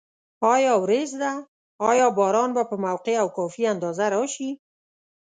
آیا وریځ ده؟ آیا باران به په موقع او کافي اندازه راشي؟